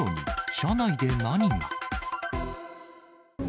車内で何が？